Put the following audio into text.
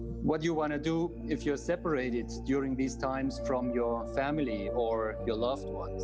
apa yang anda ingin lakukan jika anda terpisah di saat ini dari keluarga atau keluarga yang anda sayangi